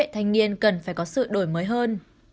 thanh niên cần phải có sự đổi mới hơn